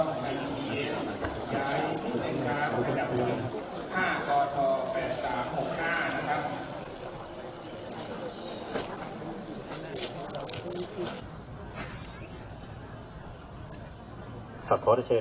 นักโมทรัพย์ภักวะโตอาระโตสัมมาสัมพุทธศาสตร์